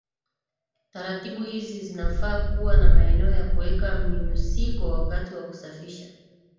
Taratibu hizi zinafaa kuwa na maeneo ya kuweka mnyunyusiko wakati wa kusafisha